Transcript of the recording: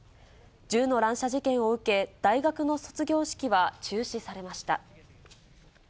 銃の乱射事件を受け、大学の卒業式は中止されました。